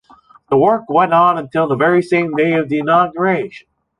The work went on until the very same day of the inauguration.